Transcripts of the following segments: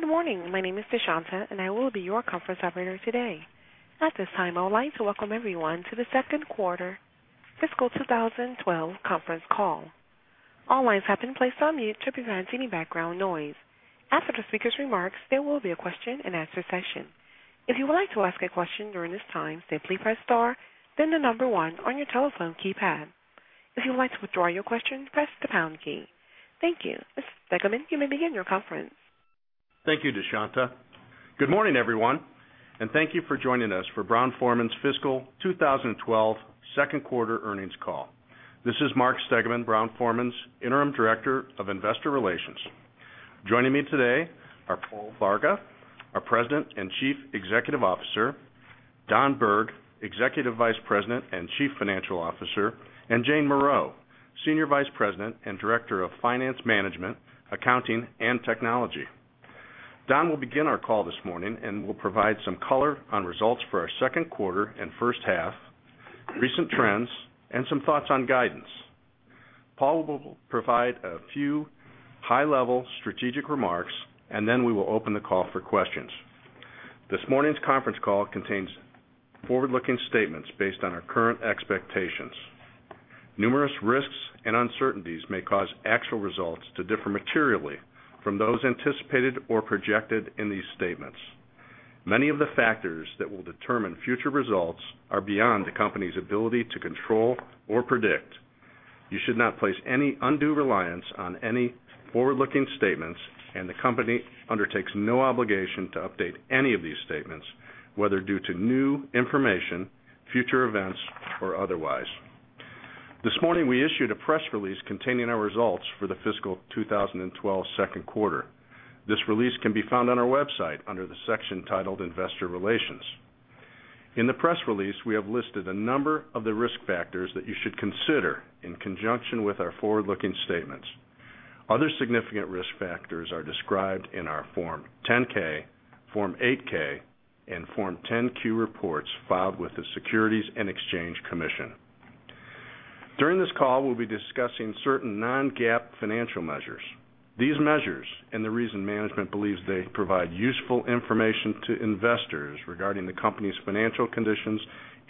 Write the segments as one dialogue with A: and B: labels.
A: Good morning. My name is Deshantha and I will be your conference operator today. At this time, I would like to welcome everyone to the second quarter fiscal 2012 conference call. All lines have been placed on mute to prevent any background noise. After the speaker's remarks, there will be a question and answer session. If you would like to ask a question during this time, please press star, then the number one on your telephone keypad. If you would like to withdraw your question, press the pound key. Thank you. Mr. Stegeman, you may begin your conference.
B: Thank you, Deshantha. Good morning, everyone, and thank you for joining us for Brown-Forman's Fiscal 2012 Second Quarter Earnings Call. This is Mark Stegeman, Brown-Forman's Interim Director of Investor Relations. Joining me today are Paul Varga, our President and Chief Executive Officer, Don Berg, Executive Vice President and Chief Financial Officer, and Jane Morreau, Senior Vice President and Director of Finance Management, Accounting, and Technology. Don will begin our call this morning and will provide some color on results for our second quarter and first half, recent trends, and some thoughts on guidance. Paul will provide a few high-level strategic remarks, and then we will open the call for questions. This morning's conference call contains forward-looking statements based on our current expectations. Numerous risks and uncertainties may cause actual results to differ materially from those anticipated or projected in these statements. Many of the factors that will determine future results are beyond the company's ability to control or predict. You should not place any undue reliance on any forward-looking statements, and the company undertakes no obligation to update any of these statements, whether due to new information, future events, or otherwise. This morning, we issued a press release containing our results for the fiscal 2012 second quarter. This release can be found on our website under the section titled "Investor Relations." In the press release, we have listed a number of the risk factors that you should consider in conjunction with our forward-looking statements. Other significant risk factors are described in our Form 10-K, Form 8-K, and Form 10-Q reports filed with the Securities and Exchange Commission. During this call, we'll be discussing certain non-GAAP financial measures. These measures, and the reason management believes they provide useful information to investors regarding the company's financial conditions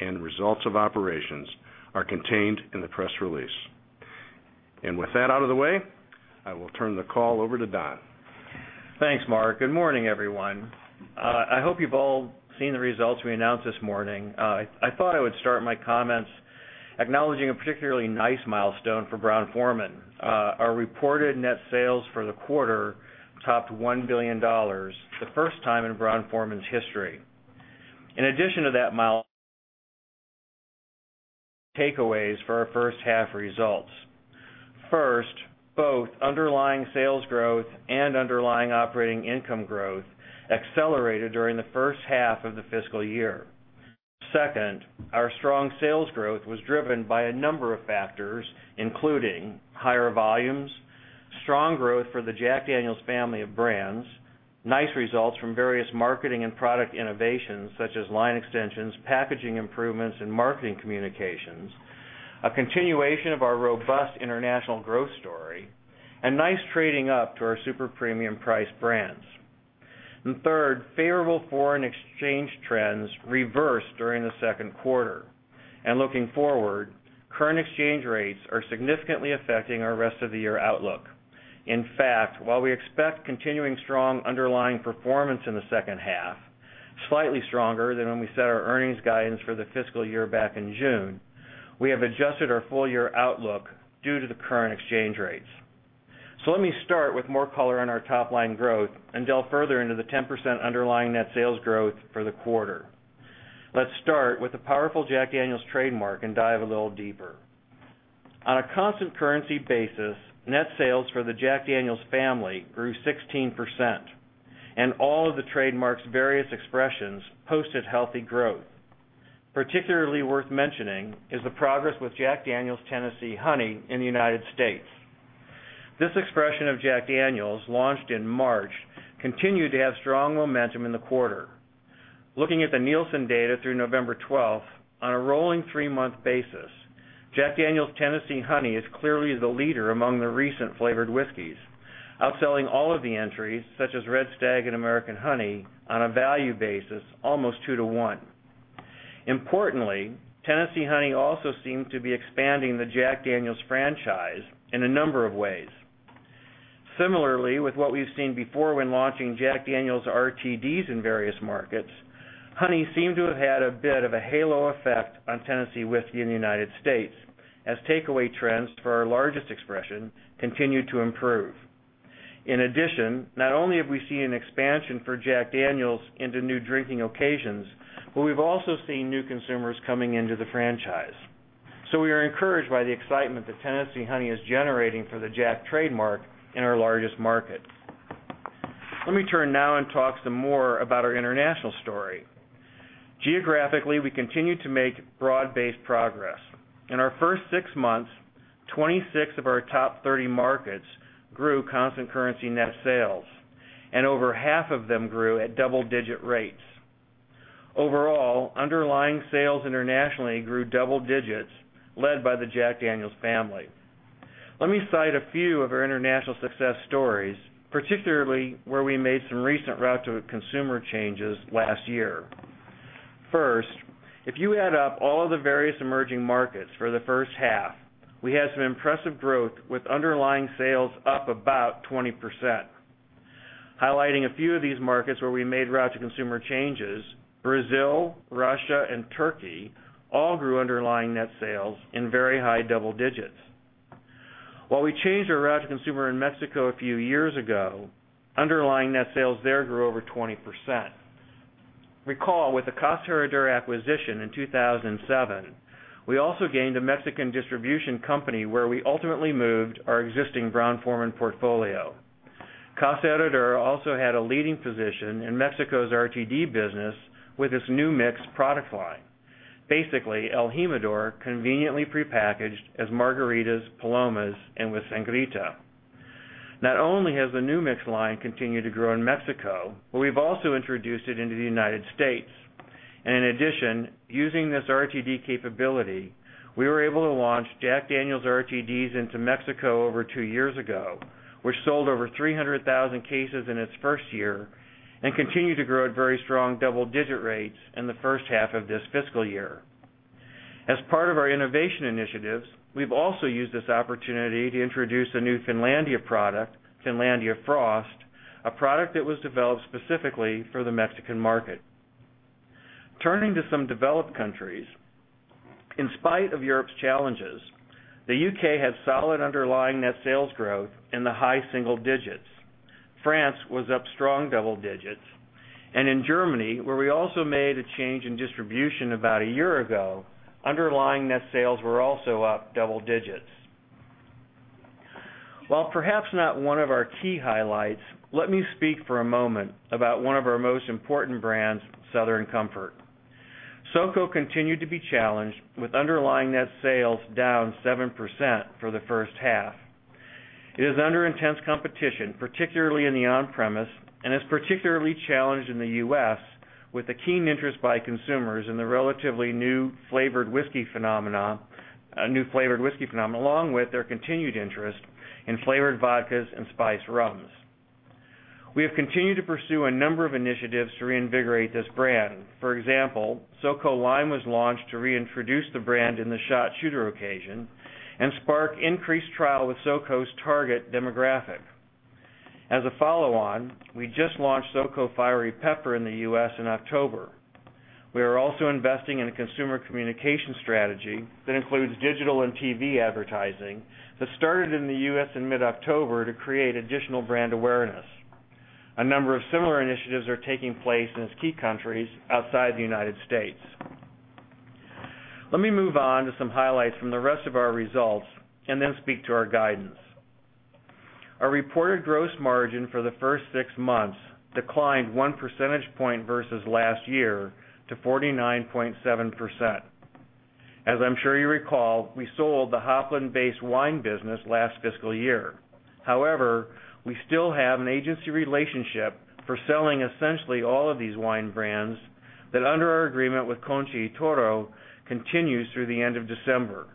B: and results of operations, are contained in the press release. With that out of the way, I will turn the call over to Don.
C: Thanks, Mark. Good morning, everyone. I hope you've all seen the results we announced this morning. I thought I would start my comments acknowledging a particularly nice milestone for Brown-Forman. Our reported net sales for the quarter topped $1 billion, the first time in Brown-Forman's history. In addition to that, takeaways for our first half results. First, both underlying sales growth and underlying operating income growth accelerated during the first half of the fiscal year. Second, our strong sales growth was driven by a number of factors, including higher volumes, strong growth for the Jack Daniel's family of brands, nice results from various marketing and product innovations, such as line extensions, packaging improvements, and marketing communications, a continuation of our robust international growth story, and nice trading up to our super premium price brands. Third, favorable foreign exchange trends reversed during the second quarter. Looking forward, current exchange rates are significantly affecting our rest of the year outlook. In fact, while we expect continuing strong underlying performance in the second half, slightly stronger than when we set our earnings guidance for the fiscal year back in June, we have adjusted our full-year outlook due to the current exchange rates. Let me start with more color on our top-line growth and delve further into the 10% underlying net sales growth for the quarter. Let's start with the powerful Jack Daniel's trademark and dive a little deeper. On a constant currency basis, net sales for the Jack Daniel's family grew 16%, and all of the trademark's various expressions posted healthy growth. Particularly worth mentioning is the progress with Jack Daniel's Tennessee Honey in the U.S. This expression of Jack Daniel's, launched in March, continued to have strong momentum in the quarter. Looking at the Nielsen data through November 12, on a rolling three-month basis, Jack Daniel's Tennessee Honey is clearly the leader among the recent flavored whiskies, outselling all of the entries, such as Red Stag and American Honey, on a value basis almost two to one. Importantly, Tennessee Honey also seemed to be expanding the Jack Daniel's franchise in a number of ways. Similarly, with what we've seen before when launching Jack Daniel's RTDs in various markets, Honey seemed to have had a bit of a halo effect on Tennessee Whiskey in the U.S., as takeaway trends for our largest expression continued to improve. In addition, not only have we seen an expansion for Jack Daniel's into new drinking occasions, but we've also seen new consumers coming into the franchise. We are encouraged by the excitement that Tennessee Honey is generating for the Jack trademark in our largest markets. Let me turn now and talk some more about our international story. Geographically, we continue to make broad-based progress. In our first six months, 26 of our top 30 markets grew constant currency net sales, and over half of them grew at double-digit rates. Overall, underlying sales internationally grew double digits, led by the Jack Daniel's family. Let me cite a few of our international success stories, particularly where we made some recent route-to-consumer changes last year. First, if you add up all of the various emerging markets for the first half, we had some impressive growth with underlying sales up about 20%. Highlighting a few of these markets where we made route-to-consumer changes, Brazil, Russia, and Turkey all grew underlying net sales in very high double digits. While we changed our route-to-consumer in Mexico a few years ago, underlying net sales there grew over 20%. Recall, with the Casa Herradura acquisition in 2007, we also gained a Mexican distribution company where we ultimately moved our existing Brown-Forman portfolio. Casa Herradura also had a leading position in Mexico's RTD business with its New Mix product line, basically el Jimador conveniently prepackaged as margaritas, palomas, and with sangrita. Not only has the New Mix line continued to grow in Mexico, but we've also introduced it into the U.S. In addition, using this RTD capability, we were able to launch Jack Daniel's RTDs into Mexico over two years ago, which sold over 300,000 cases in its first year and continued to grow at very strong double-digit rates in the first half of this fiscal year. As part of our innovation initiatives, we've also used this opportunity to introduce a new Finlandia product, Finlandia Frost, a product that was developed specifically for the Mexican market. Turning to some developed countries, in spite of Europe's challenges, the U.K. had solid underlying net sales growth in the high single digits. France was up strong double digits. In Germany, where we also made a change in distribution about a year ago, underlying net sales were also up double digits. While perhaps not one of our key highlights, let me speak for a moment about one of our most important brands, Southern Comfort. SoCo continued to be challenged with underlying net sales down 7% for the first half. It is under intense competition, particularly in the on-premise, and is particularly challenged in the U.S. with a keen interest by consumers in the relatively new flavored whiskey phenomenon, along with their continued interest in flavored vodkas and spiced rums. We have continued to pursue a number of initiatives to reinvigorate this brand. For example, SoCo Lime was launched to reintroduce the brand in the shot shooter occasion and spark increased trial with SoCo's target demographic. As a follow-on, we just launched SoCo Fiery Pepper in the U.S. in October. We are also investing in a consumer communication strategy that includes digital and TV advertising, which started in the U.S. in mid-October to create additional brand awareness. A number of similar initiatives are taking place in key countries outside the United States. Let me move on to some highlights from the rest of our results and then speak to our guidance. Our reported gross margin for the first six months declined one percentage point versus last year to 49.7%. As I'm sure you recall, we sold the Hopland-based wine business last fiscal year. However, we still have an agency relationship for selling essentially all of these wine brands that, under our agreement with Conti Toro, continues through the end of December.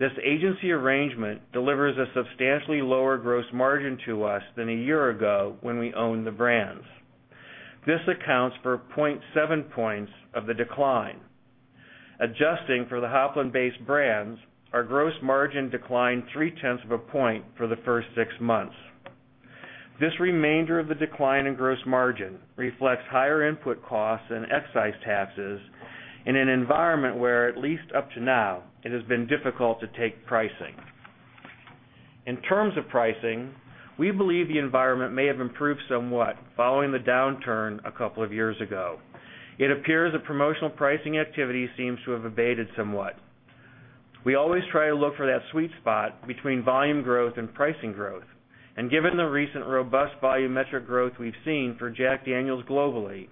C: This agency arrangement delivers a substantially lower gross margin to us than a year ago when we owned the brands. This accounts for 0.7 points of the decline. Adjusting for the Hopland-based brands, our gross margin declined three-tenths of a point for the first six months. The remainder of the decline in gross margin reflects higher input costs and excise taxes in an environment where, at least up to now, it has been difficult to take pricing. In terms of pricing, we believe the environment may have improved somewhat following the downturn a couple of years ago. It appears the promotional pricing activity seems to have abated somewhat. We always try to look for that sweet spot between volume growth and pricing growth. Given the recent robust volumetric growth we've seen for Jack Daniel's globally,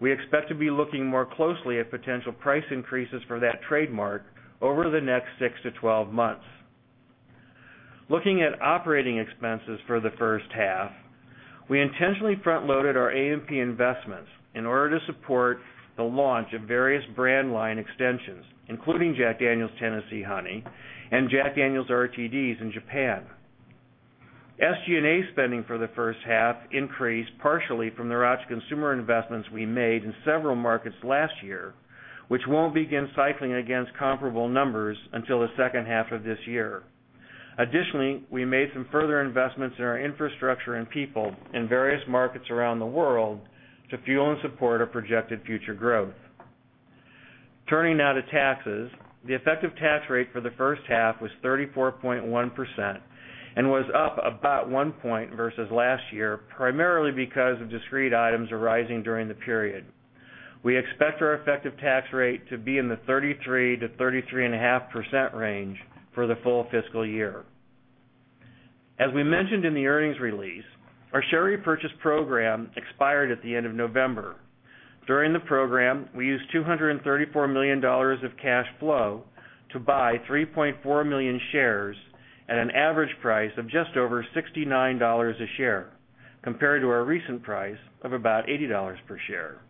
C: we expect to be looking more closely at potential price increases for that trademark over the next 6 - 12 months. Looking at operating expenses for the first half, we intentionally front-loaded our AMP investments in order to support the launch of various brand line extensions, including Jack Daniel's Tennessee Honey and Jack Daniel's RTDs in Japan. SG&A spending for the first half increased partially from the route-to-consumer investments we made in several markets last year, which won't begin cycling against comparable numbers until the second half of this year. Additionally, we made some further investments in our infrastructure and people in various markets around the world to fuel and support our projected future growth. Turning now to taxes, the effective tax rate for the first half was 34.1% and was up about one point versus last year, primarily because of discrete items arising during the period. We expect our effective tax rate to be in the 33% - 33.5% range for the full fiscal year. As we mentioned in the earnings release, our share repurchase program expired at the end of November. During the program, we used $234 million of cash flow to buy 3.4 million shares at an average price of just over $69 a share, compared to our recent price of about $80 per share.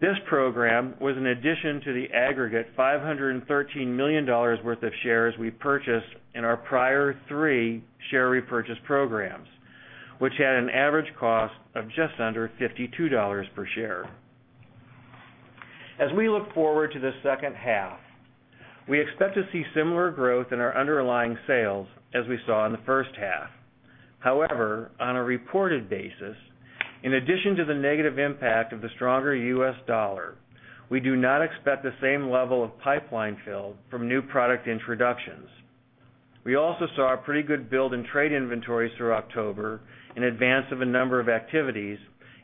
C: This program was in addition to the aggregate $513 million worth of shares we purchased in our prior three share repurchase programs, which had an average cost of just under $52 per share. As we look forward to the second half, we expect to see similar growth in our underlying sales as we saw in the first half. However, on a reported basis, in addition to the negative impact of the stronger U.S. dollar, we do not expect the same level of pipeline fill from new product introductions. We also saw a pretty good build in trade inventories through October in advance of a number of activities,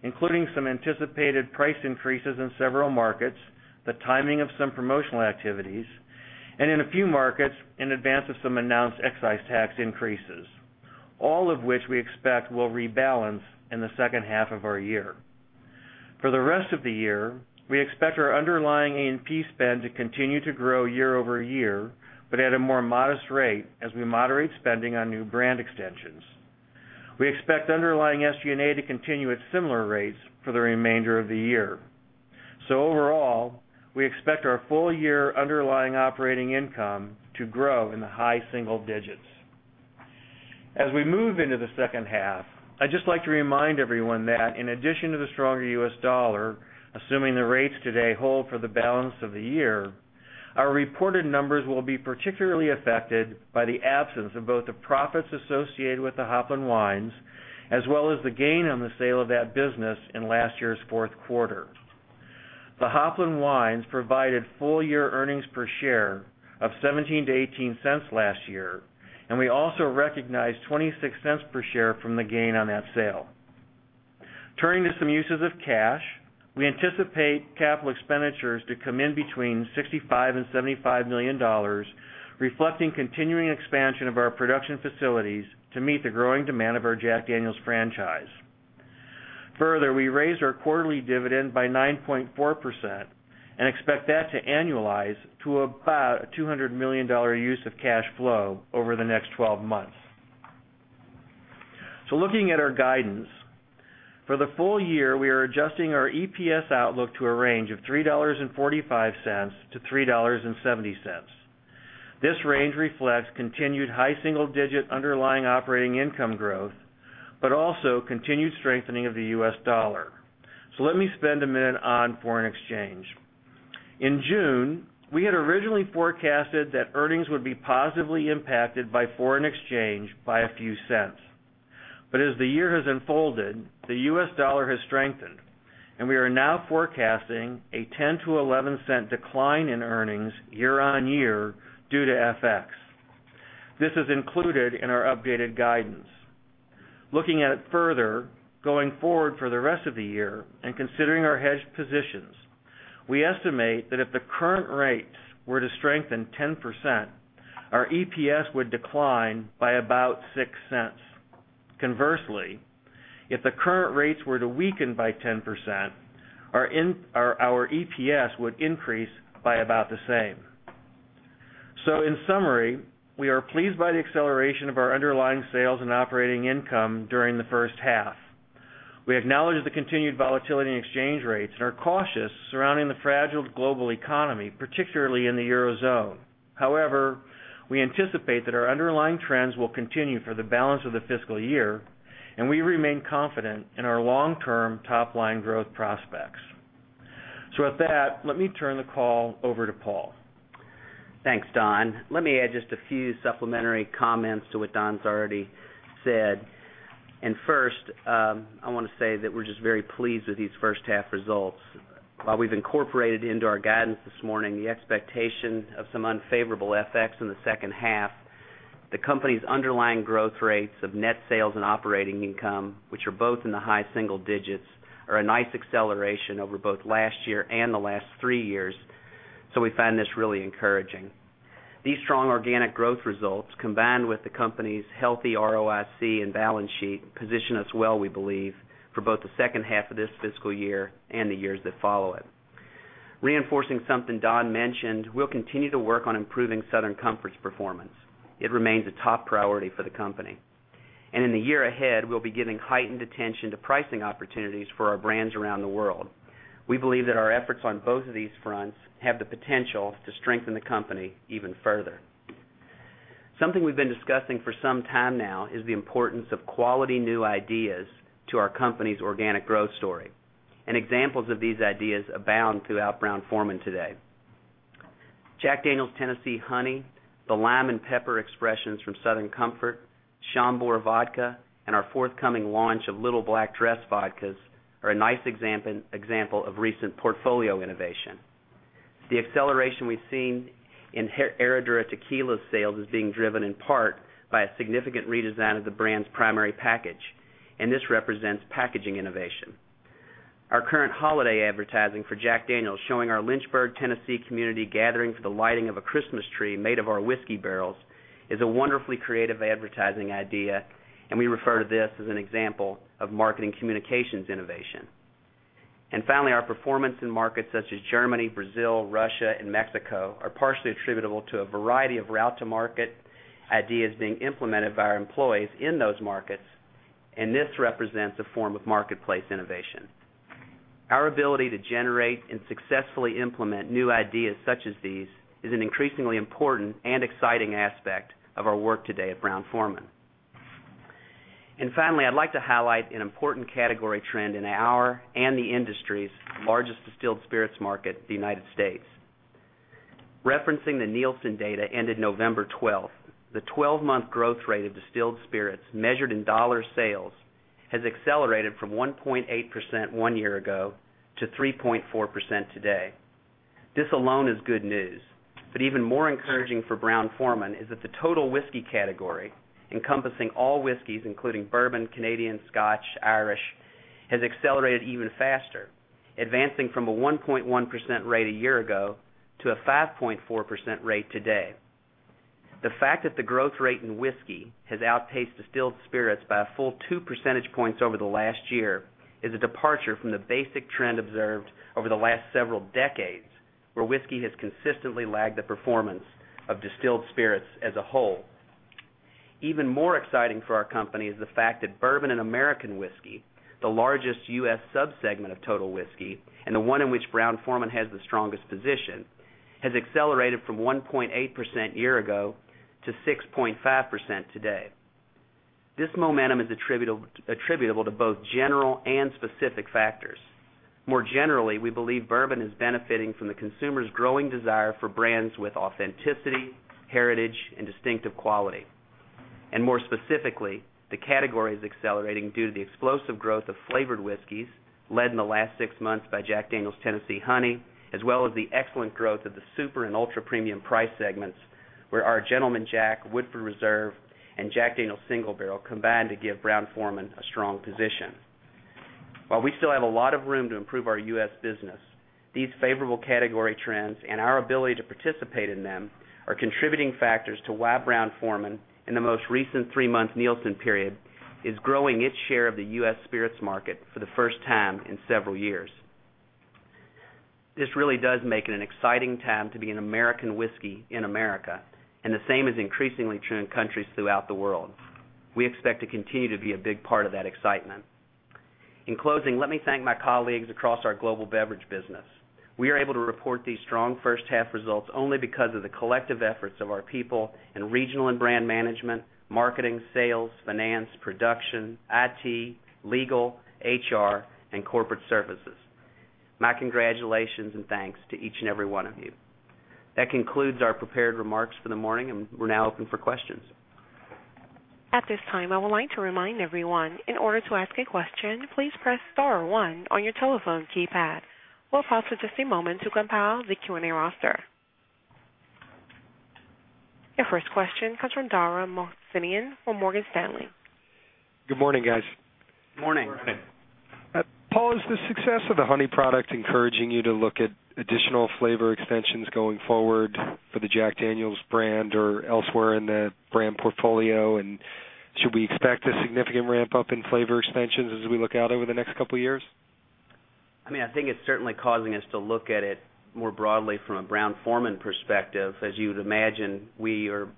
C: including some anticipated price increases in several markets, the timing of some promotional activities, and in a few markets in advance of some announced excise tax increases, all of which we expect will rebalance in the second half of our year. For the rest of the year, we expect our underlying AMP spend to continue to grow year-over-year, but at a more modest rate as we moderate spending on new brand extensions. We expect underlying SG&A to continue at similar rates for the remainder of the year. Overall, we expect our full-year underlying operating income to grow in the high single digits. As we move into the second half, I'd just like to remind everyone that in addition to the stronger U.S. dollar, assuming the rates today hold for the balance of the year, our reported numbers will be particularly affected by the absence of both the profits associated with the Hofland wines as well as the gain on the sale of that business in last year's fourth quarter. The Hofland wines provided full-year earnings per share of $0.17 - $0.18 last year, and we also recognize $0.26 per share from the gain on that sale. Turning to some uses of cash, we anticipate capital expenditures to come in between $65 million and $75 million, reflecting continuing expansion of our production facilities to meet the growing demand of our Jack Daniel’s franchise. Further, we raised our quarterly dividend by 9.4% and expect that to annualize to about a $200 million use of cash flow over the next 12 months. Looking at our guidance for the full year, we are adjusting our EPS outlook to a range of $3.45 - $3.70. This range reflects continued high single-digit underlying operating income growth, but also continued strengthening of the U.S. dollar. Let me spend a minute on foreign exchange. In June, we had originally forecasted that earnings would be positively impacted by foreign exchange by a few cents. As the year has unfolded, the U.S. dollar has strengthened, and we are now forecasting a $0.10 - $0.11 decline in earnings year on year due to FX. This is included in our updated guidance. Looking at it further, going forward for the rest of the year and considering our hedge positions, we estimate that if the current rates were to strengthen 10%, our EPS would decline by about $0.06. Conversely, if the current rates were to weaken by 10%, our EPS would increase by about the same. In summary, we are pleased by the acceleration of our underlying sales and operating income during the first half. We acknowledge the continued volatility in exchange rates and are cautious surrounding the fragile global economy, particularly in the eurozone. However, we anticipate that our underlying trends will continue for the balance of the fiscal year, and we remain confident in our long-term top-line growth prospects. With that, let me turn the call over to Paul.
D: Thanks, Don. Let me add just a few supplementary comments to what Don's already said. First, I want to say that we're just very pleased with these first half results. While we've incorporated into our guidance this morning the expectation of some unfavorable effects in the second half, the company's underlying growth rates of net sales and operating income, which are both in the high single digits, are a nice acceleration over both last year and the last three years. We find this really encouraging. These strong organic growth results, combined with the company's healthy ROIC and balance sheet, position us well, we believe, for both the second half of this fiscal year and the years that follow it. Reinforcing something Don mentioned, we'll continue to work on improving Southern Comfort's performance. It remains a top priority for the company. In the year ahead, we'll be giving heightened attention to pricing opportunities for our brands around the world. We believe that our efforts on both of these fronts have the potential to strengthen the company even further. Something we've been discussing for some time now is the importance of quality new ideas to our company's organic growth story. Examples of these ideas abound throughout Brown-Forman today. Jack Daniel's Tennessee Honey, The Lime and Pepper expressions from Southern Comfort, and our forthcoming launch of Little Black Dress Vodkas are a nice example of recent portfolio innovation. The acceleration we've seen in Herradura Tequila sales is being driven in part by a significant redesign of the brand's primary package. This represents packaging innovation. Our current holiday advertising for Jack Daniel's, showing our Lynchburg, Tennessee community gathering for the lighting of a Christmas tree made of our whiskey barrels, is a wonderfully creative advertising idea. We refer to this as an example of marketing communications innovation. Finally, our performance in markets such as Germany, Brazil, Russia, and Mexico are partially attributable to a variety of route-to-market ideas being implemented by our employees in those markets. This represents a form of marketplace innovation. Our ability to generate and successfully implement new ideas such as these is an increasingly important and exciting aspect of our work today at Brown-Forman. Finally, I'd like to highlight an important category trend in our and the industry's largest distilled spirits market, the United States. Referencing the Nielsen data ended November 12, the 12-month growth rate of distilled spirits measured in dollar sales has accelerated from 1.8% one year ago to 3.4% today. This alone is good news. Even more encouraging for Brown-Forman is that the total whisky category, encompassing all whiskies including Bourbon, Canadian, Scotch, and Irish, has accelerated even faster, advancing from a 1.1% rate a year ago to a 5.4% rate today. The fact that the growth rate in whisky has outpaced distilled spirits by a full two percentage points over the last year is a departure from the basic trend observed over the last several decades, where whisky has consistently lagged the performance of distilled spirits as a whole. Even more exciting for our company is the fact that Bourbon and American whisky, the largest U.S. subsegment of total whisky and the one in which Brown-Forman has the strongest position, has accelerated from 1.8% a year ago to 6.5% today. This momentum is attributable to both general and specific factors. More generally, we believe Bourbon is benefiting from the consumer's growing desire for brands with authenticity, heritage, and distinctive quality. More specifically, the category is accelerating due to the explosive growth of flavored whiskies led in the last six months by Jack Daniel's Tennessee Honey, as well as the excellent growth of the super and ultra-premium price segments, where our Gentleman Jack, Woodford Reserve, and Jack Daniel's Single Barrel combine to give Brown-Forman a strong position. While we still have a lot of room to improve our U.S. business, these favorable category trends and our ability to participate in them are contributing factors to why Brown-Forman, in the most recent three-month Nielsen period, is growing its share of the U.S. spirits market for the first time in several years. This really does make it an exciting time to be an American whisky in America, and the same is increasingly true in countries throughout the world. We expect to continue to be a big part of that excitement. In closing, let me thank my colleagues across our global beverage business. We are able to report these strong first half results only because of the collective efforts of our people in regional and brand management, marketing, sales, finance, production, IT, legal, HR, and corporate services. My congratulations and thanks to each and every one of you. That concludes our prepared remarks for the morning, and we're now open for questions.
A: At this time, I would like to remind everyone, in order to ask a question, please press star one on your telephone keypad. We'll pause for just a moment to compile the Q&A roster. Your first question comes from Dara Mohsenian from Morgan Stanley.
E: Good morning, guys.
C: Morning.
E: Paul, is the success of the honey product encouraging you to look at additional flavor extensions going forward for the Jack Daniel's brand or elsewhere in the brand portfolio? Should we expect a significant ramp-up in flavor extensions as we look out over the next couple of years?
D: I mean, I think it's certainly causing us to look at it more broadly from a Brown-Forman perspective. As you would imagine, we are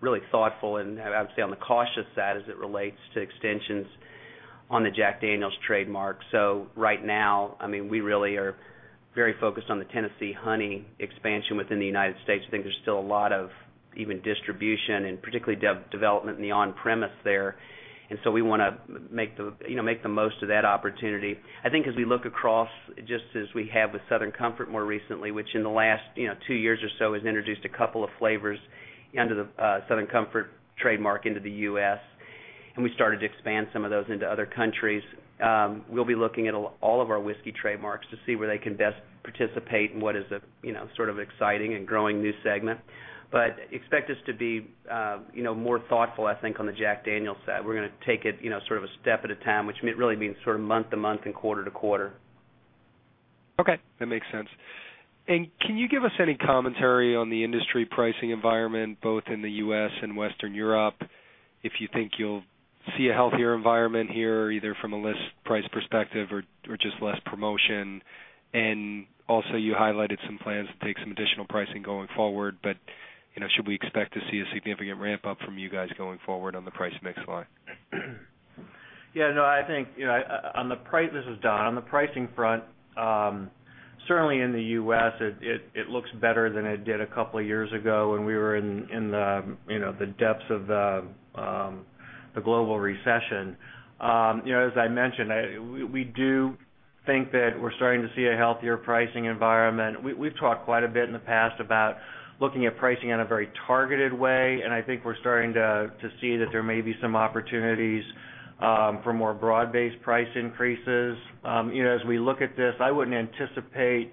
D: really thoughtful and, I would say, on the cautious side as it relates to extensions on the Jack Daniel's trademark. Right now, we really are very focused on the Tennessee Honey expansion within the U.S. I think there's still a lot of even distribution and particularly development in the on-premise there, and we want to make the most of that opportunity. I think as we look across, just as we have with Southern Comfort more recently, which in the last two years or so has introduced a couple of flavors under the Southern Comfort trademark into the U.S., and we started to expand some of those into other countries, we'll be looking at all of our whiskey trademarks to see where they can best participate in what is a sort of exciting and growing new segment. Expect us to be more thoughtful, I think, on the Jack Daniel's side. We're going to take it a step at a time, which really means month to month and quarter to quarter.
E: OK, that makes sense. Can you give us any commentary on the industry pricing environment both in the U.S. and Western Europe if you think you'll see a healthier environment here, either from a list price perspective or just less promotion? You highlighted some plans to take some additional pricing going forward. Should we expect to see a significant ramp-up from you guys going forward on the price next slide?
C: Yeah, no, I think on the price, this is Don. On the pricing front, certainly in the U.S., it looks better than it did a couple of years ago when we were in the depths of the global recession. As I mentioned, we do think that we're starting to see a healthier pricing environment. We've talked quite a bit in the past about looking at pricing in a very targeted way. I think we're starting to see that there may be some opportunities for more broad-based price increases. As we look at this, I wouldn't anticipate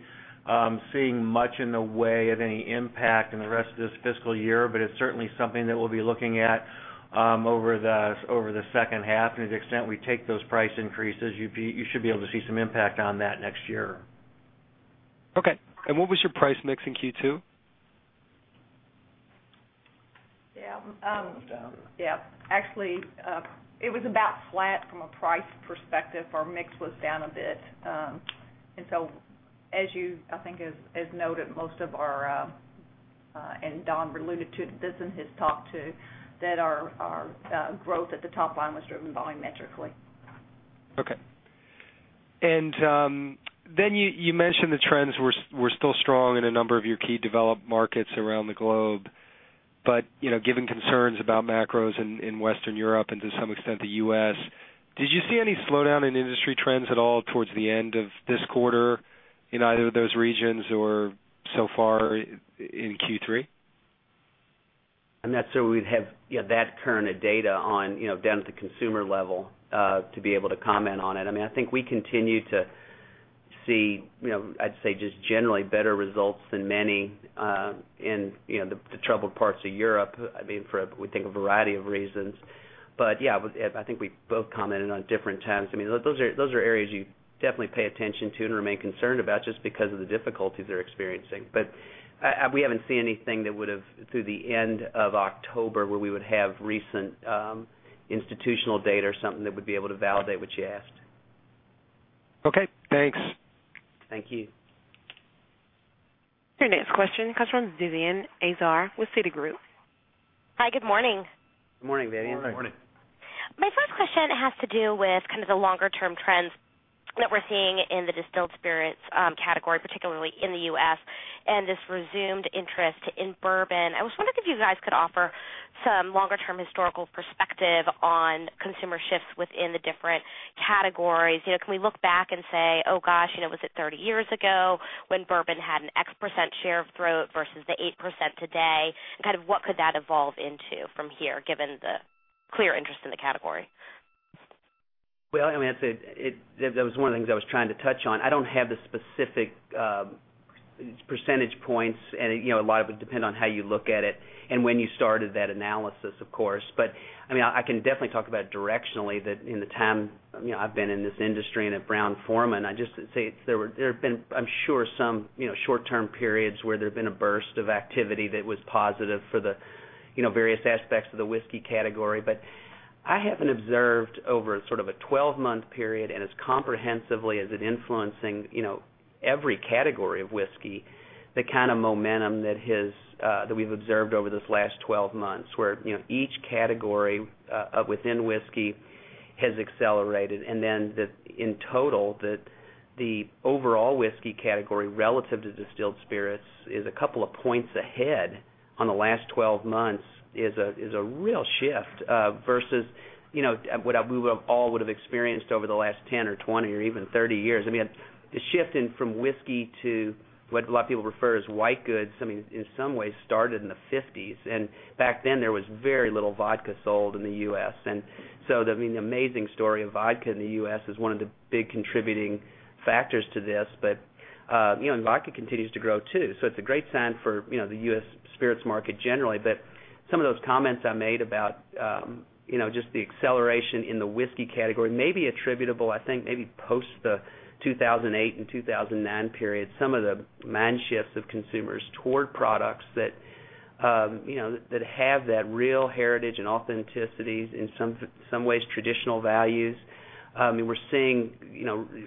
C: seeing much in the way of any impact in the rest of this fiscal year. It's certainly something that we'll be looking at over the second half. To the extent we take those price increases, you should be able to see some impact on that next year.
E: What was your price mix in Q2?
F: Yeah, actually, it was about flat from a price perspective. Our mix was down a bit. As you, I think, as noted, most of our, and Don alluded to this in his talk too, our growth at the top line was driven volumetrically.
E: OK. You mentioned the trends were still strong in a number of your key developed markets around the globe. Given concerns about macros in Western Europe and to some extent the U.S., did you see any slowdown in industry trends at all towards the end of this quarter in either of those regions or so far in Q3?
D: I'm not sure we'd have that current data down at the consumer level to be able to comment on it. I think we continue to see, I'd say, just generally better results than many in the troubled parts of Europe for, we think, a variety of reasons. I think we both commented at different times. Those are areas you definitely pay attention to and remain concerned about just because of the difficulties they're experiencing. We haven't seen anything that would, to the end of October where we would have recent institutional data or something that would be able to validate what you asked.
E: OK, thanks.
D: Thank you.
A: Our next question comes from Vivien Azer with Citigroup.
G: Hi, good morning.
C: Good morning, Vivien.
G: Good morning. My first question has to do with kind of the longer-term trends that we're seeing in the distilled spirits category, particularly in the U.S., and this resumed interest in bourbon. I was wondering if you guys could offer some longer-term historical perspective on consumer shifts within the different categories. Can we look back and say, oh, gosh, was it 30 years ago when bourbon had an X% share of growth versus the 8% today? Kind of what could that evolve into from here, given the clear interest in the category?
D: That was one of the things I was trying to touch on. I don't have the specific percentage points. A lot of it would depend on how you look at it and when you started that analysis, of course. I can definitely talk about directionally that in the time I've been in this industry and at Brown-Forman, I just say there have been, I'm sure, some short-term periods where there have been a burst of activity that was positive for the various aspects of the whisky category. I haven't observed over sort of a 12-month period, and as comprehensively as it influencing every category of whisky, the kind of momentum that we've observed over this last 12 months, where each category within whisky has accelerated. In total, the overall whisky category relative to distilled spirits is a couple of points ahead on the last 12 months, which is a real shift versus what we all would have experienced over the last 10 or 20 or even 30 years. The shift from whisky to what a lot of people refer to as white goods, in some ways started in the 1950s. Back then, there was very little vodka sold in the U.S. The amazing story of vodka in the U.S. is one of the big contributing factors to this. Vodka continues to grow too. It's a great sign for the U.S. spirits market generally. Some of those comments I made about just the acceleration in the whisky category may be attributable, I think, maybe post the 2008 and 2009 period, to some of the mind shifts of consumers toward products that have that real heritage and authenticity, in some ways, traditional values. We're seeing,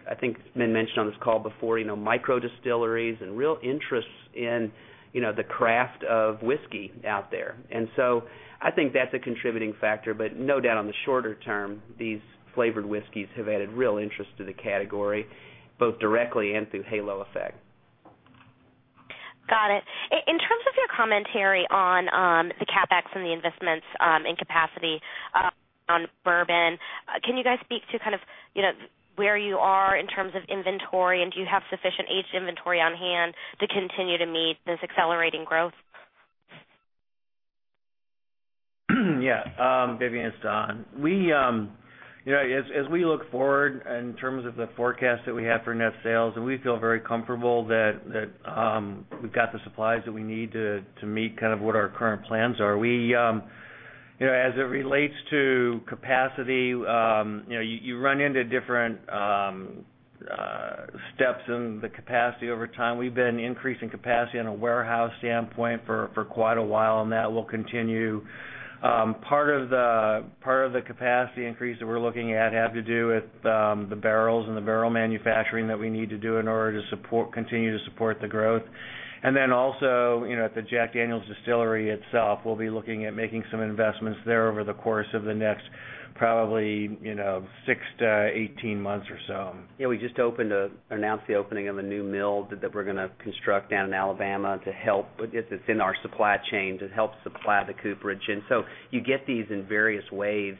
D: I think it's been mentioned on this call before, micro distilleries and real interest in the craft of whisky out there. I think that's a contributing factor. No doubt on the shorter term, these flavored whiskies have added real interest to the category, both directly and through halo effect.
G: Got it. In terms of your commentary on the CapEx and the investments in capacity on bourbon, can you guys speak to kind of where you are in terms of inventory? Do you have sufficient aged inventory on hand to continue to meet this accelerating growth?
C: Yeah, Vivien, it's Don. As we look forward in terms of the forecast that we have for net sales, we feel very comfortable that we've got the supplies that we need to meet kind of what our current plans are. As it relates to capacity, you run into different steps in the capacity over time. We've been increasing capacity on a warehouse standpoint for quite a while, and that will continue. Part of the capacity increase that we're looking at has to do with the barrels and the barrel manufacturing that we need to do in order to continue to support the growth. Also, at the Jack Daniel's distillery itself, we'll be looking at making some investments there over the course of the next probably 6 -18 months or so.
D: Yeah, we just announced the opening of a new mill that we're going to construct down in Alabama to help. It's in our supply chain to help supply the Cooperage, and you get these in various waves.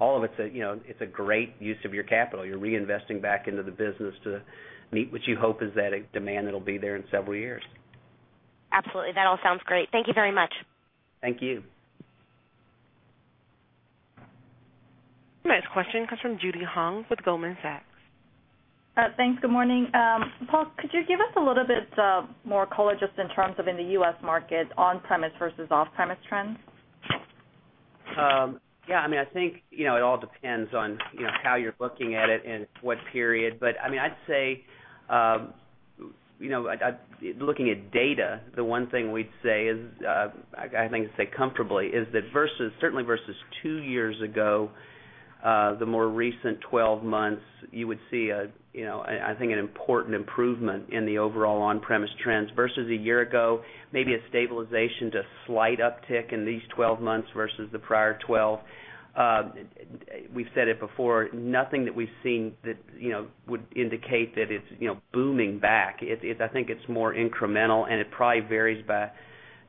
D: All of it's a great use of your capital. You're reinvesting back into the business to meet what you hope is that demand that will be there in several years.
G: Absolutely. That all sounds great. Thank you very much.
D: Thank you.
A: Next question comes from Judy Hong with Goldman Sachs.
H: Thanks. Good morning. Paul, could you give us a little bit more color, just in terms of in the U.S. markets, on-premise versus off-premise trends?
D: Yeah, I mean, I think it all depends on how you're looking at it and what period. I'd say looking at data, the one thing we'd say is, I think, say comfortably is that certainly versus two years ago, the more recent 12 months, you would see, I think, an important improvement in the overall on-premise trends versus a year ago, maybe a stabilization to a slight uptick in these 12 months versus the prior 12. We've said it before, nothing that we've seen that would indicate that it's booming back. I think it's more incremental. It probably varies by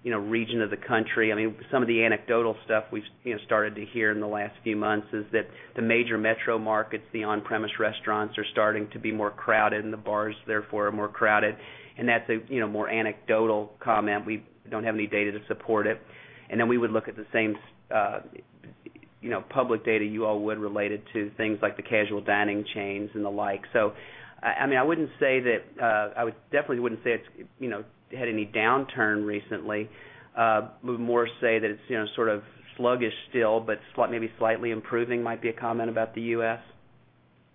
D: region of the country. Some of the anecdotal stuff we've started to hear in the last few months is that the major metro markets, the on-premise restaurants are starting to be more crowded, and the bars, therefore, are more crowded. That's a more anecdotal comment. We don't have any data to support it. We would look at the same public data you all would related to things like the casual dining chains and the like. I wouldn't say that I would definitely wouldn't say it's had any downturn recently. We'd more say that it's sort of sluggish still, but maybe slightly improving might be a comment about the U.S.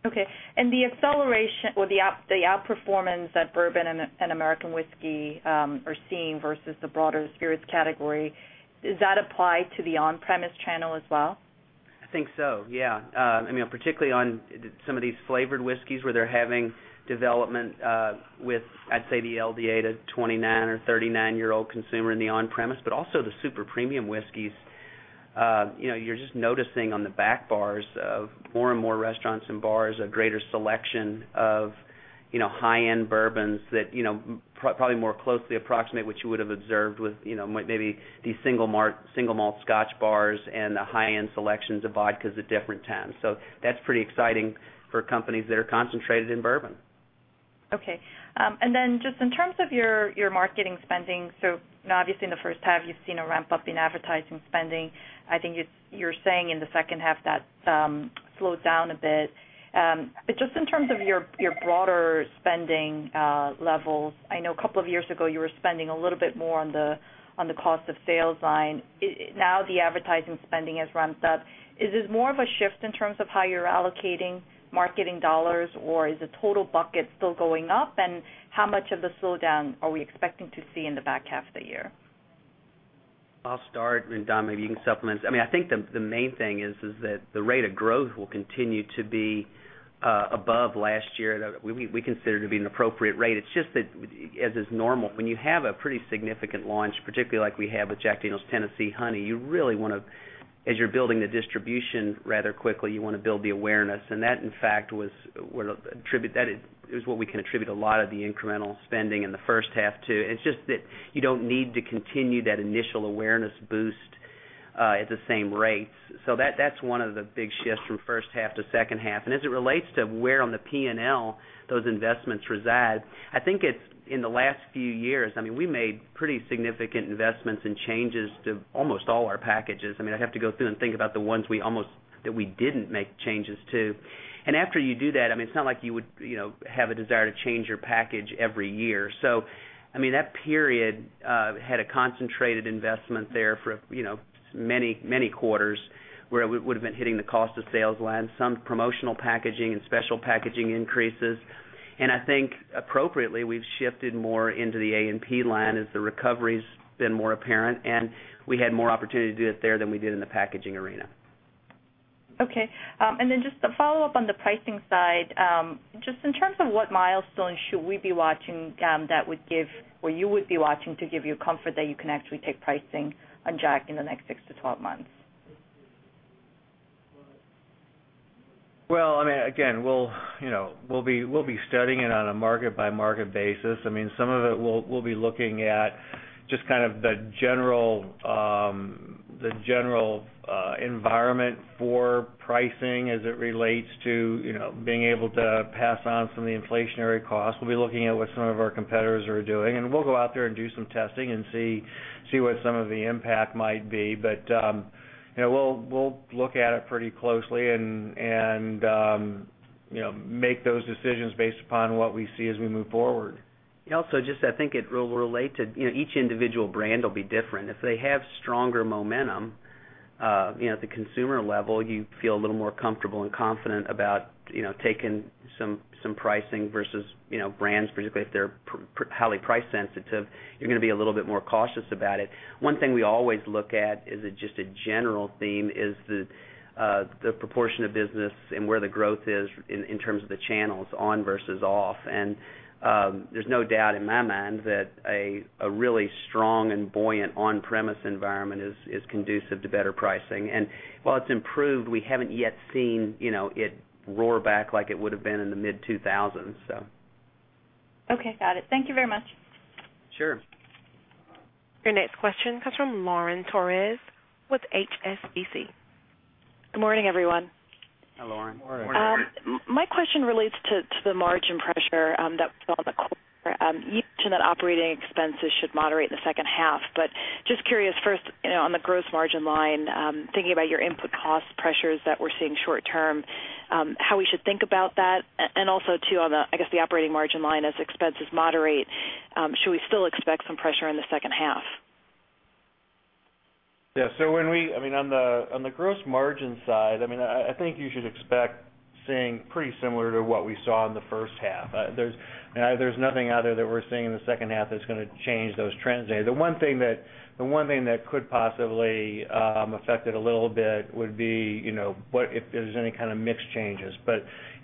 H: OK. The acceleration or the outperformance that bourbon and American whiskey are seeing versus the broader spirits category, does that apply to the on-premise channel as well?
D: I think so, yeah. I mean, particularly on some of these flavored whiskies where they're having development with, I'd say, the LDA to 29- or 39-year-old consumer in the on-premise, but also the super premium whiskies. You're just noticing on the back bars of more and more restaurants and bars a greater selection of high-end bourbons that probably more closely approximate what you would have observed with maybe these single malt scotch bars and the high-end selections of vodkas at different times. That's pretty exciting for companies that are concentrated in bourbon.
H: OK. In terms of your marketing spending, obviously in the first half, you've seen a ramp-up in advertising spending. I think you're saying in the second half that slowed down a bit. In terms of your broader spending levels, I know a couple of years ago you were spending a little bit more on the cost of sales line. Now the advertising spending has ramped up. Is this more of a shift in terms of how you're allocating marketing dollars, or is the total bucket still going up? How much of the slowdown are we expecting to see in the back half of the year?
D: I'll start, and Don, maybe you can supplement. I think the main thing is that the rate of growth will continue to be above last year. We consider it to be an appropriate rate. It's just that, as is normal, when you have a pretty significant launch, particularly like we have with Jack Daniel's Tennessee Honey, you really want to, as you're building the distribution rather quickly, you want to build the awareness. That, in fact, was what we can attribute a lot of the incremental spending in the first half to. You don't need to continue that initial awareness boost at the same rates. That's one of the big shifts from first half to second half. As it relates to where on the P&L those investments reside, I think in the last few years, we made pretty significant investments and changes to almost all our packages. I'd have to go through and think about the ones that we didn't make changes to. After you do that, it's not like you would have a desire to change your package every year. That period had a concentrated investment there for many, many quarters where it would have been hitting the cost of sales line, some promotional packaging and special packaging increases. I think appropriately, we've shifted more into the A&P line as the recovery's been more apparent. We had more opportunity to do it there than we did in the packaging arena.
H: OK. Just to follow up on the pricing side, in terms of what milestones should we be watching that would give, or you would be watching to give you comfort that you can actually take pricing on Jack in the next 6 - 12 months?
C: I mean, again, we'll be studying it on a market-by-market basis. Some of it we'll be looking at just kind of the general environment for pricing as it relates to being able to pass on some of the inflationary costs. We'll be looking at what some of our competitors are doing. We'll go out there and do some testing and see what some of the impact might be. We'll look at it pretty closely and make those decisions based upon what we see as we move forward.
D: Yeah, also just I think it will relate to each individual brand will be different. If they have stronger momentum at the consumer level, you feel a little more comfortable and confident about taking some pricing versus brands, particularly if they're highly price sensitive. You're going to be a little bit more cautious about it. One thing we always look at as just a general theme is the proportion of business and where the growth is in terms of the channels on versus off. There's no doubt in my mind that a really strong and buoyant on-premise environment is conducive to better pricing. While it's improved, we haven't yet seen it roar back like it would have been in the mid-2000s.
H: OK, got it. Thank you very much.
D: Sure.
A: Our next question comes from Lauren Torres with HSBC.
I: Good morning, everyone.
D: Hi, Lauren.
C: Morning.
I: My question relates to the margin pressure that was on the core. You mentioned that operating expenses should moderate in the second half. I am just curious, first, on the gross margin line, thinking about your input cost pressures that we're seeing short term, how we should think about that. Also, I guess the operating margin line, as expenses moderate, should we still expect some pressure in the second half?
C: Yeah, so when we, I mean, on the gross margin side, I think you should expect seeing pretty similar to what we saw in the first half. There's nothing out there that we're seeing in the second half that's going to change those trends. The one thing that could possibly affect it a little bit would be if there's any kind of mix changes.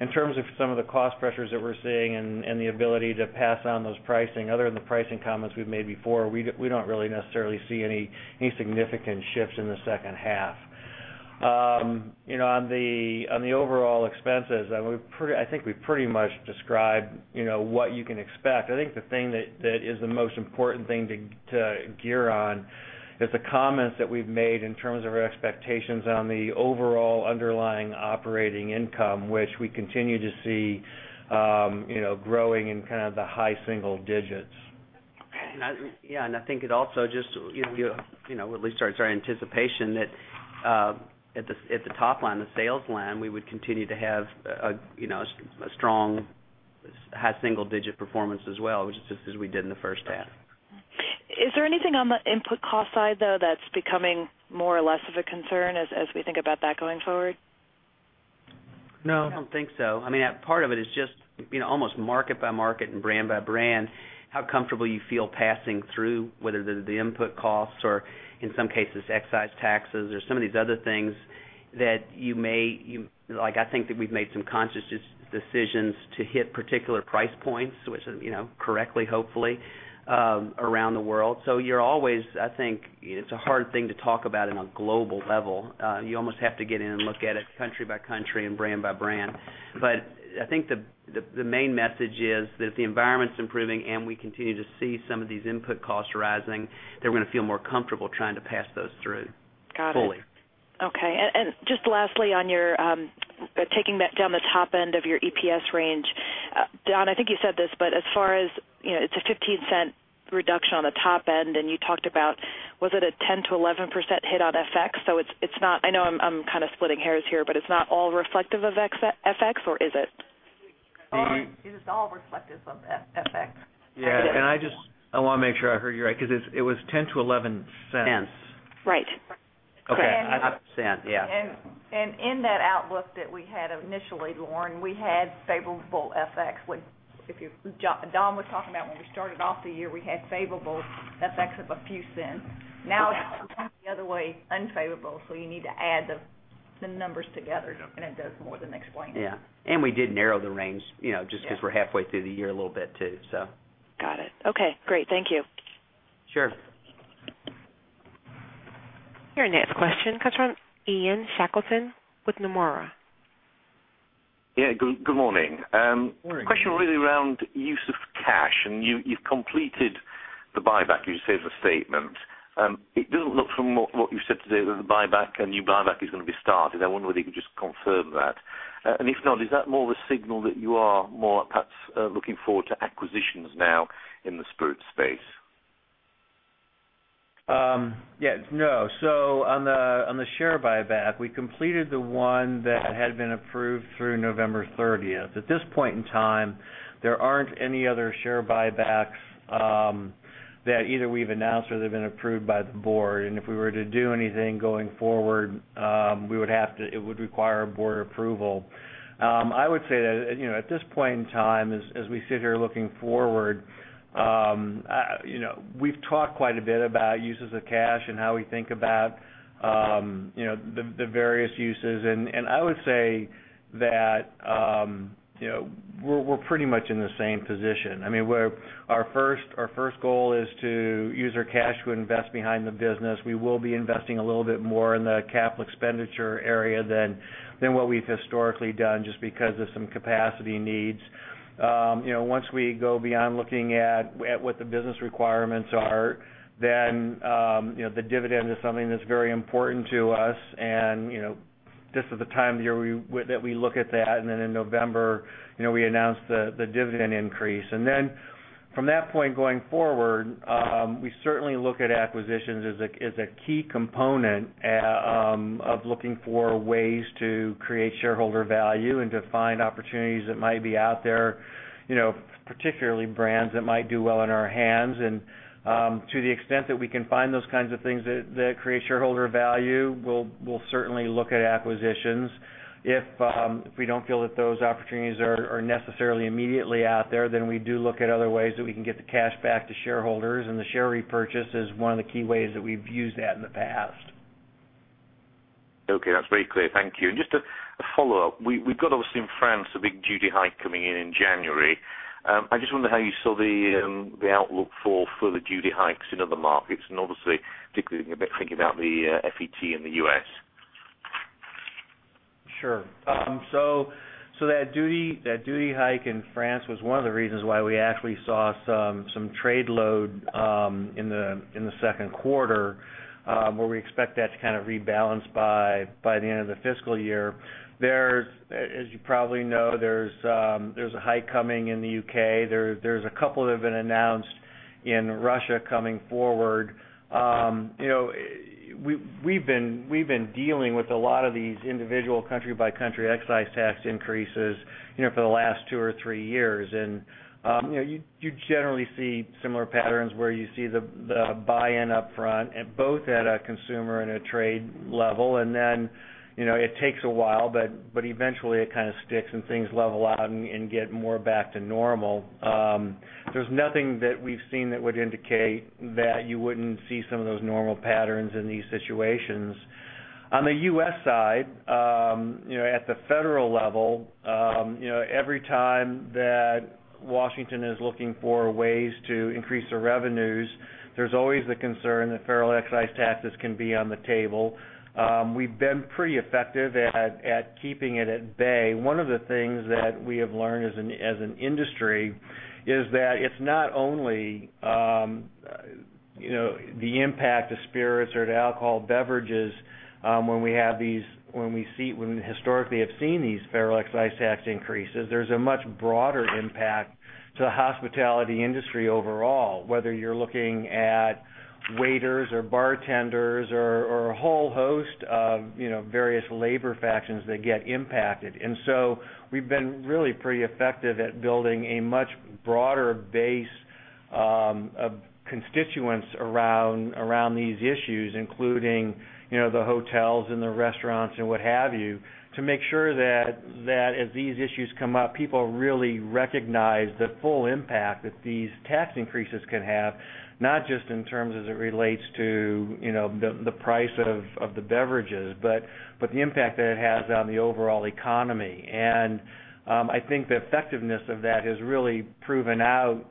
C: In terms of some of the cost pressures that we're seeing and the ability to pass on those pricing, other than the pricing comments we've made before, we don't really necessarily see any significant shifts in the second half. On the overall expenses, I think we pretty much described what you can expect. I think the thing that is the most important thing to gear on is the comments that we've made in terms of our expectations on the overall underlying operating income, which we continue to see growing in kind of the high single digits.
D: I think it also just at least starts our anticipation that at the top line, the sales line, we would continue to have a strong high single-digit performance as well, which is just as we did in the first half.
I: Is there anything on the input cost side, though, that's becoming more or less of a concern as we think about that going forward?
D: No, I don't think so. Part of it is just almost market by market and brand by brand, how comfortable you feel passing through whether the input costs or, in some cases, excise taxes or some of these other things that you may. I think that we've made some conscious decisions to hit particular price points, which correctly, hopefully, around the world. You're always, I think, it's a hard thing to talk about on a global level. You almost have to get in and look at it country by country and brand by brand. I think the main message is that if the environment's improving and we continue to see some of these input costs rising, they're going to feel more comfortable trying to pass those through fully.
I: Got it. OK. Just lastly, on your taking that down the top end of your EPS range, Don, I think you said this, but as far as it's a $0.15 reduction on the top end. You talked about, was it a 10% - 11% hit on FX? I know I'm kind of splitting hairs here, but it's not all reflective of FX, or is it?
F: It is all reflective of FX.
C: Yeah, I just want to make sure I heard you right because it was $0.10 - $0.11. Cents.
I: Right.
C: OK. 5%, yeah.
F: In that outlook that we had initially, Lauren, we had favorable FX. If you recall, Don was talking about when we started off the year, we had favorable FX of a few cents. Now it's the other way, unfavorable. You need to add the numbers together, and it does more than explain it.
D: Yeah, we did narrow the range just because we're halfway through the year a little bit too.
I: Got it. OK, great. Thank you.
D: Sure.
A: Our next question comes from Ian Shackleton with Nomura.
J: Yeah, good morning. The question really around use of cash. You've completed the buyback, as you say, of the statement. It doesn't look from what you've said today that the buyback and new buyback is going to be started. I wonder whether you could just confirm that. If not, is that more of a signal that you are more perhaps looking forward to acquisitions now in the spirit space?
C: No. On the share buyback, we completed the one that had been approved through November 30th. At this point in time, there aren't any other share buybacks that either we've announced or they've been approved by the board. If we were to do anything going forward, it would require a board approval. I would say that at this point in time, as we sit here looking forward, we've talked quite a bit about uses of cash and how we think about the various uses. I would say that we're pretty much in the same position. Our first goal is to use our cash to invest behind the business. We will be investing a little bit more in the capital expenditure area than what we've historically done just because of some capacity needs. Once we go beyond looking at what the business requirements are, the dividend is something that's very important to us. This is the time of the year that we look at that. In November, we announce the dividend increase. From that point going forward, we certainly look at acquisitions as a key component of looking for ways to create shareholder value and to find opportunities that might be out there, particularly brands that might do well in our hands. To the extent that we can find those kinds of things that create shareholder value, we'll certainly look at acquisitions. If we don't feel that those opportunities are necessarily immediately out there, we do look at other ways that we can get the cash back to shareholders. The share repurchase is one of the key ways that we've used that in the past.
J: OK, that's very clear. Thank you. Just a follow-up. We've got obviously in France a big duty hike coming in January. I just wonder how you saw the outlook for the duty hikes in other markets, obviously, particularly thinking about the FET in the U.S.
C: Sure. That duty hike in France was one of the reasons why we actually saw some trade load in the second quarter, where we expect that to kind of rebalance by the end of the fiscal year. As you probably know, there's a hike coming in the U.K. There are a couple that have been announced in Russia coming forward. We've been dealing with a lot of these individual country-by-country excise tax increases for the last two or three years. You generally see similar patterns where you see the buy-in up front, both at a consumer and a trade level. It takes a while, but eventually it kind of sticks and things level out and get more back to normal. There's nothing that we've seen that would indicate that you wouldn't see some of those normal patterns in these situations. On the U.S. side, at the federal level, every time that Washington is looking for ways to increase their revenues, there's always the concern that federal excise taxes can be on the table. We've been pretty effective at keeping it at bay. One of the things that we have learned as an industry is that it's not only the impact of spirits or alcohol beverages when we see when historically have seen these federal excise tax increases. There's a much broader impact to the hospitality industry overall, whether you're looking at waiters or bartenders or a whole host of various labor factions that get impacted. We've been really pretty effective at building a much broader base of constituents around these issues, including the hotels and the restaurants and what have you, to make sure that as these issues come up, people really recognize the full impact that these tax increases can have, not just in terms as it relates to the price of the beverages, but the impact that it has on the overall economy. I think the effectiveness of that has really proven out,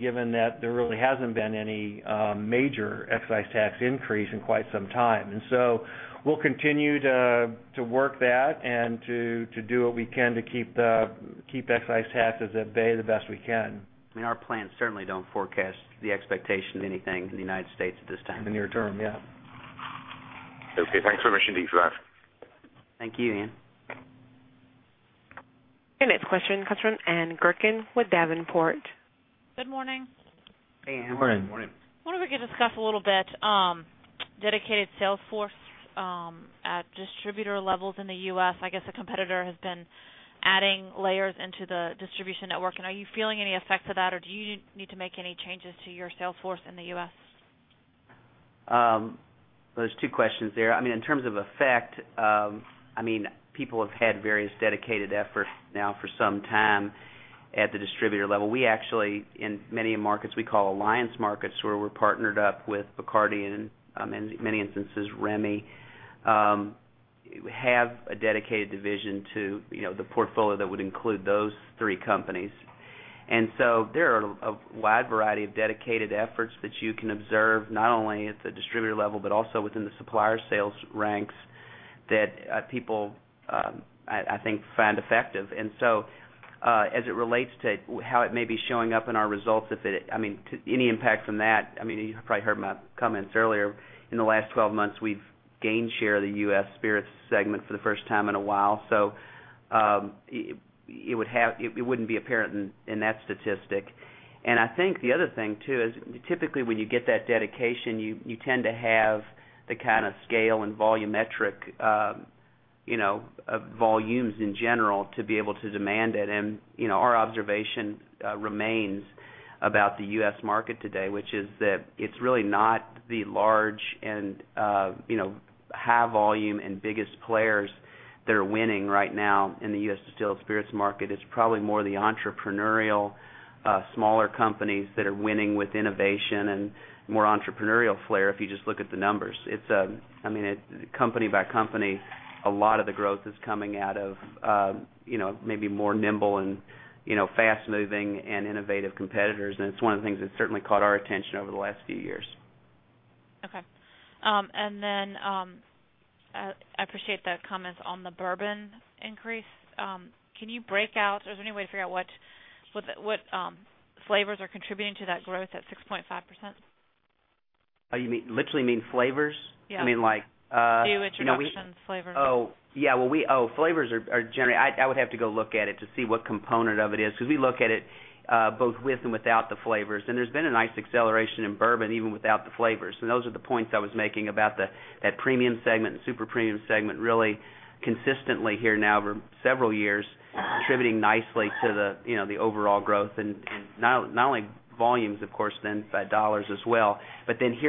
C: given that there really hasn't been any major excise tax increase in quite some time. We'll continue to work that and to do what we can to keep excise taxes at bay the best we can.
D: Our plans certainly don't forecast the expectation of anything in the U.S. at this time.
C: In the near term, yeah.
J: OK, thanks very much indeed for that.
D: Thank you, Ian.
A: Our next question comes from Ann Gurkin with Davenport.
K: Good morning.
D: Hey, Ann.
C: Good morning.
K: I wonder if we could discuss a little bit dedicated Salesforce at distributor levels in the U.S. I guess a competitor has been adding layers into the distribution network. Are you feeling any effect to that, or do you need to make any changes to your Salesforce in the U.S.?
D: There are two questions there. In terms of effect, people have had various dedicated efforts now for some time at the distributor level. In many markets we call alliance markets, where we're partnered up with Bacardi and in many instances Remy, there is a dedicated division to the portfolio that would include those three companies. There are a wide variety of dedicated efforts that you can observe not only at the distributor level, but also within the supplier sales ranks that people, I think, find effective. As it relates to how it may be showing up in our results, any impact from that, you probably heard my comments earlier. In the last 12 months, we've gained share of the U.S. spirits segment for the first time in a while. It would not be apparent in that statistic. I think the other thing too is typically when you get that dedication, you tend to have the kind of scale and volumetric volumes in general to be able to demand it. Our observation remains about the U.S. market today, which is that it's really not the large and high volume and biggest players that are winning right now in the U.S. distilled spirits market. It's probably more the entrepreneurial smaller companies that are winning with innovation and more entrepreneurial flair if you just look at the numbers. Company by company, a lot of the growth is coming out of maybe more nimble and fast-moving and innovative competitors. It's one of the things that certainly caught our attention over the last few years.
K: OK. I appreciate the comments on the bourbon increase. Can you break out or is there any way to figure out what flavors are contributing to that growth at 6.5%?
D: You mean literally flavors?
K: Yeah.
D: I mean.
K: Do you introduce flavors?
D: Oh, yeah, flavors are generally, I would have to go look at it to see what component of it is because we look at it both with and without the flavors. There's been a nice acceleration in bourbon even without the flavors. Those are the points I was making about that premium segment and super premium segment really consistently here now for several years, contributing nicely to the overall growth and not only volumes, of course, then by dollars as well.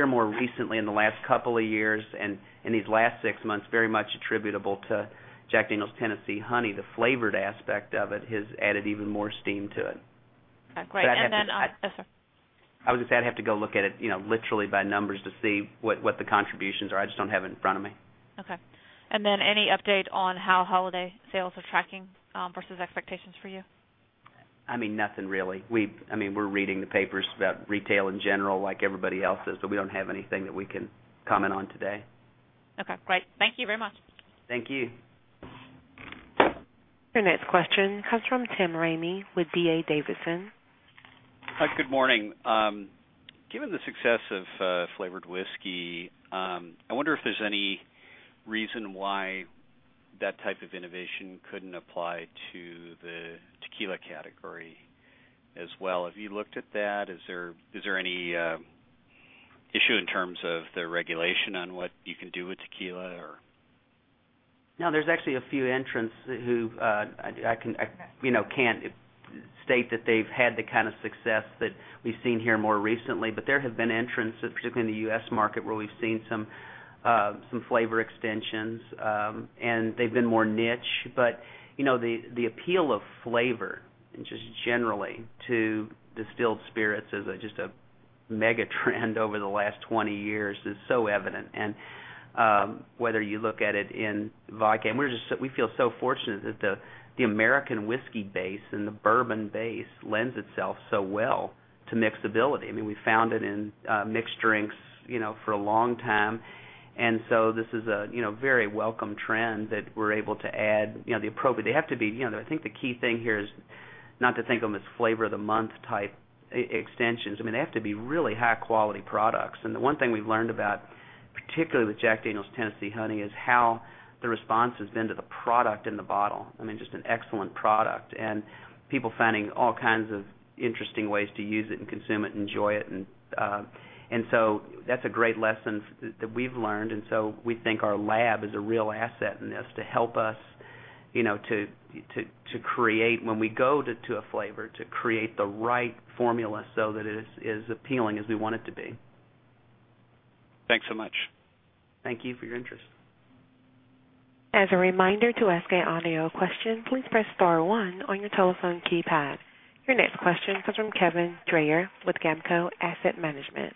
D: More recently in the last couple of years and in these last six months, very much attributable to Jack Daniel's Tennessee Honey, the flavored aspect of it has added even more steam to it.
K: OK, great.
D: I'd have to.
K: Yes, sir.
D: I would just say I'd have to go look at it literally by numbers to see what the contributions are. I just don't have it in front of me.
K: OK. Any update on how holiday sales are tracking versus expectations for you?
D: I mean, we're reading the papers about retail in general like everybody else is. We don't have anything that we can comment on today.
K: OK. Great. Thank you very much.
D: Thank you.
A: Our next question comes from Tim Ramey with D.A. Davidson.
L: Hi, good morning. Given the success of flavored whiskey, I wonder if there's any reason why that type of innovation couldn't apply to the tequila category as well. Have you looked at that? Is there any issue in terms of the regulation on what you can do with tequila?
D: No, there's actually a few entrants who I can't state that they've had the kind of success that we've seen here more recently. There have been entrants, particularly in the U.S. market, where we've seen some flavor extensions. They've been more niche. The appeal of flavor generally to distilled spirits as just a mega trend over the last 20 years is so evident. Whether you look at it in vodka, we feel so fortunate that the American whiskey base and the bourbon base lend itself so well to mixability. We found it in mixed drinks for a long time. This is a very welcome trend that we're able to add the appropriate. They have to be, I think the key thing here is not to think of them as flavor-of-the-month type extensions. They have to be really high-quality products. The one thing we've learned about, particularly with Jack Daniel's Tennessee Honey, is how the response has been to the product in the bottle. Just an excellent product. People finding all kinds of interesting ways to use it and consume it and enjoy it. That's a great lesson that we've learned. We think our lab is a real asset in this to help us to create, when we go to a flavor, to create the right formula so that it is as appealing as we want it to be.
L: Thanks so much.
D: Thank you for your interest.
A: As a reminder, to ask an audio question, please press star one on your telephone keypad. Your next question comes from Kevin Dreyer with Gamco Asset Management.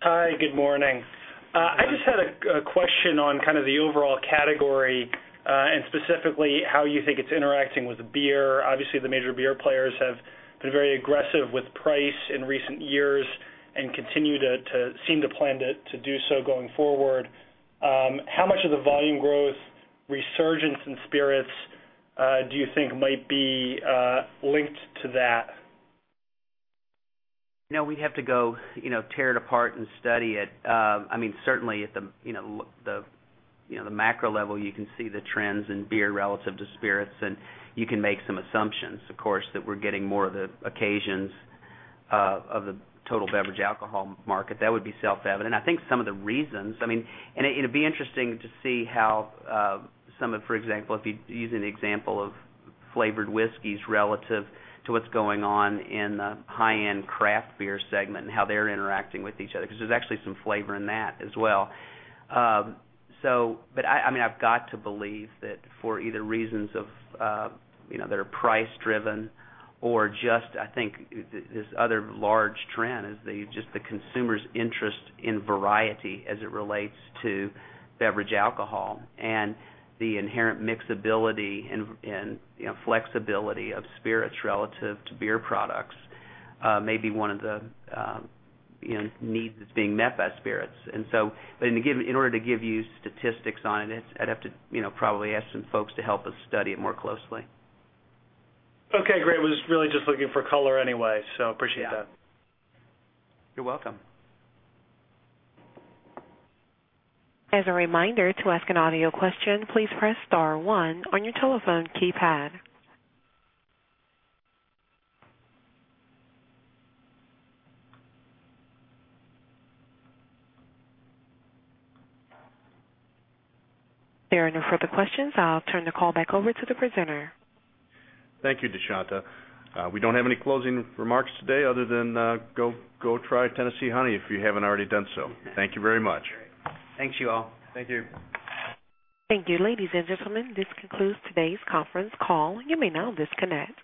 M: Hi, good morning. I just had a question on kind of the overall category and specifically how you think it's interacting with beer. Obviously, the major beer players have been very aggressive with price in recent years and continue to seem to plan to do so going forward. How much of the volume growth resurgence in spirits do you think might be linked to that?
D: No, we'd have to go tear it apart and study it. I mean, certainly at the macro level, you can see the trends in beer relative to spirits. You can make some assumptions, of course, that we're getting more of the occasions of the total beverage alcohol market. That would be self-evident. I think some of the reasons, I mean, it'd be interesting to see how some of, for example, if you're using the example of flavored whiskies relative to what's going on in the high-end craft beer segment and how they're interacting with each other, because there's actually some flavor in that as well. I have to believe that for either reasons that are price-driven or just, I think, this other large trend is just the consumer's interest in variety as it relates to beverage alcohol. The inherent mixability and flexibility of spirits relative to beer products may be one of the needs that's being met by spirits. In order to give you statistics on it, I'd have to probably ask some folks to help us study it more closely.
M: OK, great. I was really just looking for color anyway. I appreciate that.
D: You're welcome.
A: As a reminder to ask an audio question, please press star one on your telephone keypad. If there are no further questions, I'll turn the call back over to the presenter.
B: Thank you, Deshonta. We don't have any closing remarks today other than go try Jack Daniel's Tennessee Honey if you haven't already done so. Thank you very much.
D: Thank you all.
C: Thank you.
A: Thank you, ladies and gentlemen. This concludes today's conference call. You may now disconnect.